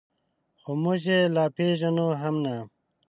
خو موږ یې لا پېژنو هم نه.